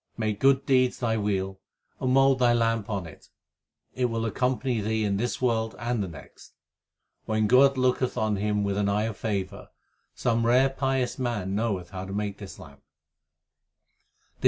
Make good deeds thy wheel, and mould thy lamp on it ; It will accompany thee in this world and the next. When God looketh on him with an eye of favour, Some rare pious man knoweth how to make this lamp.